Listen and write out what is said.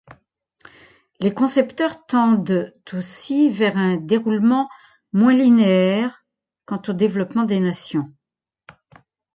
Les concepteurs tendent aussi vers un déroulement moins linéaire quant au développement des nations.